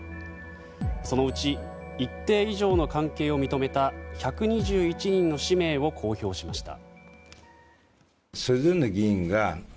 そのうち一定以上の関係を認めた１２１人の氏名を公表しました。